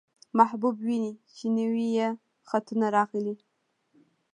محبوب وينو، چې نوي يې خطونه راغلي.